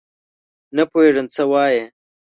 نه پوهېږم څه وایې ؟؟